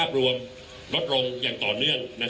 คุณผู้ชมไปฟังผู้ว่ารัฐกาลจังหวัดเชียงรายแถลงตอนนี้ค่ะ